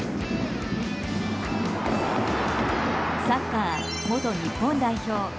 サッカー元日本代表